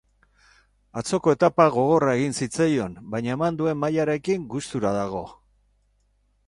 Atzoko etapa gogorra egin zitzaion baina eman duen mailarekin, gustura dago.